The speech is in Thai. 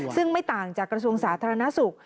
ซึ่งไม่ต่างจากกระทรวงสาธารณสุข